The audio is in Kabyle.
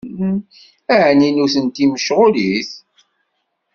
Ɛni nutenti mecɣulit?